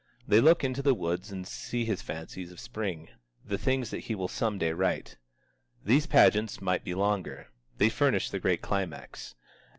They look into the woods and see his fancies of Spring, the things that he will some day write. These pageants might be longer. They furnish the great climax.